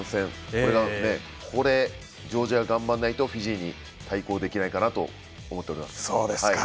ここでジョージア頑張らないとフィジーに対抗できないかなと思っております。